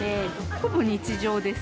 ほぼ日常です。